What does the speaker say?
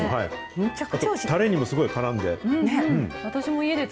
タレにもすごくからんで。